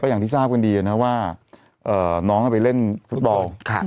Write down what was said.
อย่างที่ทราบกันดีนะว่าน้องเอาไปเล่นฟุตบอล